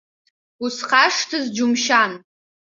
Усхашҭыз џьыумшьан.